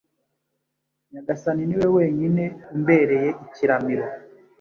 Nyagasani ni we wenyine umbereye ikiramiro